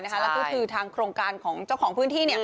แล้วก็คือทางโครงการของเจ้าของพื้นที่